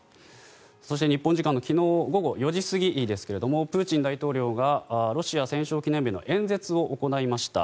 そして、日本時間の昨日午後４時過ぎですがプーチン大統領がロシア戦勝記念日の演説を行いました。